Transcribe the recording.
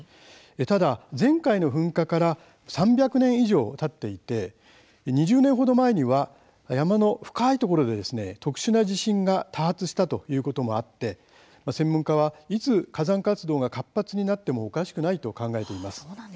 ただ前回の噴火から３００年以上たっていて２０年程前には山の深いところで特殊な地震が多発したということもあって専門家はいつ火山活動が活発になってもおかしくないと考えています。